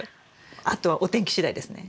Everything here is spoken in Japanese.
あとはお天気しだいですね。